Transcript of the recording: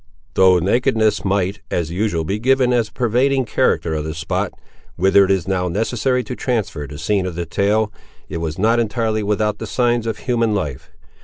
Though nakedness might, as usual, be given as the pervading character of the spot, whither it is now necessary to transfer the scene of the tale, it was not entirely without the signs of human life.